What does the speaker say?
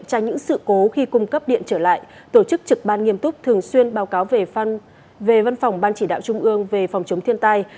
tránh những sự cố khi cung cấp điện trở lại tổ chức trực ban nghiêm túc thường xuyên báo cáo về văn phòng ban chỉ đạo trung ương về phòng chống thiên tai